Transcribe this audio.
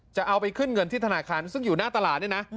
จะเอาไปขึ้นเงินที่ธนาคารซึ่งอยู่หน้าตลาดเนี่ยนะ